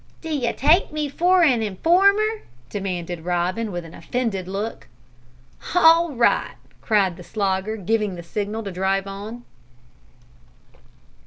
"D'you take me for a informer?" demanded Robin, with an offended look. "Hall right," cried the Slogger, giving the signal to drive on.